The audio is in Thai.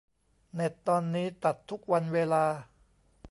เน็ตตอนนี้ตัดทุกวันเวลา